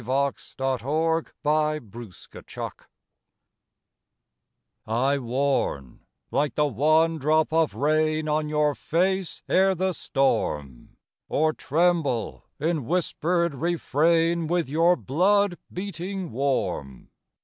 THE VOICE OF THE VOID I warn, like the one drop of rain On your face, ere the storm; Or tremble in whispered refrain With your blood, beating warm.